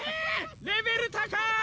レベル高っ！